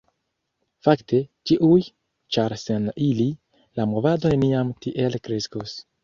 Fakte, ĉiuj, ĉar sen ili, la movado neniam tiel kreskos.